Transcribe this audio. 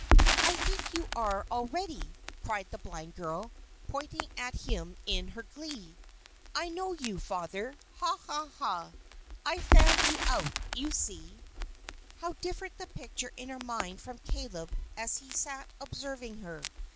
"I think you are already!" cried the blind girl, pointing at him in her glee. "I know you, Father! Ha, ha, ha! I've found you out, you see!" How different the picture in her mind from Caleb as he sat observing her.